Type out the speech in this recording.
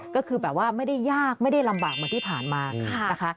ก็คือแบบว่าไม่ได้ยากไม่ได้ลำบากเหมือนที่ผ่านมานะคะ